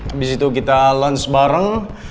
habis itu kita lunch bareng